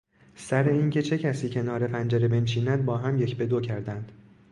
سر اینکه چه کسی کنار پنجره بنشیند با هم یک به دو کردند.